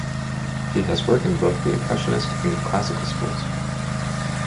He has work in both the impressionist and classical schools.